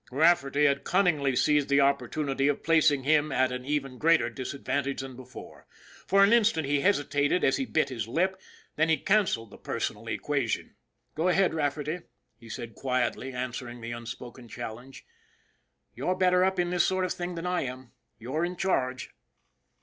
Rafferty had cunningly seized the opportunity of plac ing him at an even greater disadvantage than before. For an instant he hesitated as he bit his lip, then he canceled the personal equation. " Go ahead, Rafferty," he said quietly, answering the unspoken challenge, "you're better up in this sort of thing than I am. You're in charge."